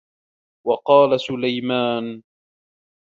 وَقَالَ سُلَيْمَانُ